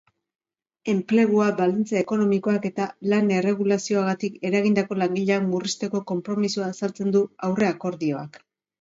Enplegua, baldintza ekonomikoak eta lan-erregulazioagatik eragindako langileak murrizteko konpromisoa azaltzen du aurreakordioak.